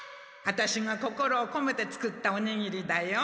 ワタシが心をこめて作ったおにぎりだよ。